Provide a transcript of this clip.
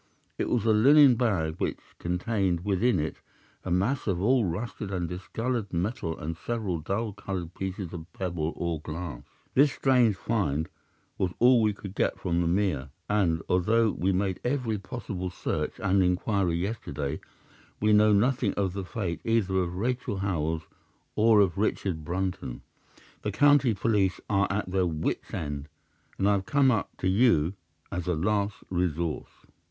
It was a linen bag which contained within it a mass of old rusted and discoloured metal and several dull coloured pieces of pebble or glass. This strange find was all that we could get from the mere, and, although we made every possible search and inquiry yesterday, we know nothing of the fate either of Rachel Howells or of Richard Brunton. The county police are at their wits' end, and I have come up to you as a last resource.